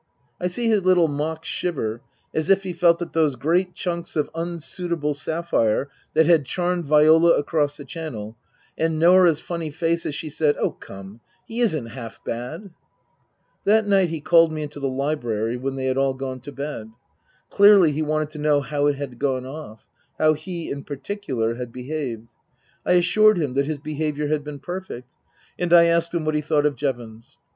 " I see his little mock shiver (as if he felt that it was those great chunks of unsuitable sapphire that had charmed Viola across the Channel), and Norah's funny face as she said, " Oh, come, he isn't half bad." That night he called me into the library when they had all gone to bed. Clearly he wanted to know how it had gone off how he, in particular, had behaved. I assured him that his behaviour had been perfect. And I asked him what he thought of Jevons